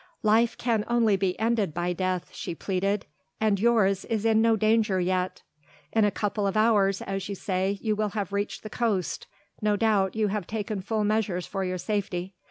"Life can only be ended by death," she pleaded, "and yours is in no danger yet. In a couple of hours as you say you will have reached the coast. No doubt you have taken full measures for your safety.